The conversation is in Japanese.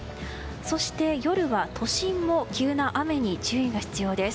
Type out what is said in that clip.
そして夜は、都心も急な雨に注意が必要です。